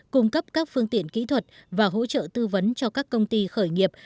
cung cấp các phương tiện kỹ thuật và hỗ trợ tư vấn cho các công ty khởi nghiệp